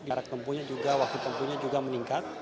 jarak tempuhnya juga waktu tempuhnya juga meningkat